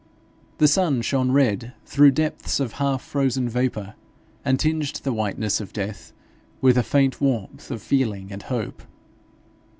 The sun shone red through depths of half frozen vapour, and tinged the whiteness of death with a faint warmth of feeling and hope.